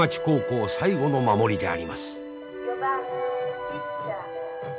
高校最後の守りであります。